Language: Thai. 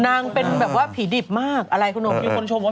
นางเป็นแบบว่าผีดิบมากอะไรคุณหลวง